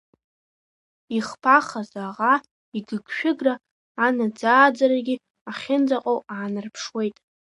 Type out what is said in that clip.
Ихԥахаз, аӷа игыгшәыгра анаӡааӡарагьы ахьынӡаҟоу аанарԥшуеит.